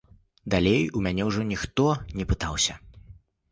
Далей у мяне ўжо ніхто не пытаўся.